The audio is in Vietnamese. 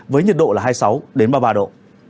với nhiệt độ là hai mươi sáu ba mươi ba độ